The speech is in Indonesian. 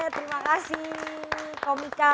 terima kasih komika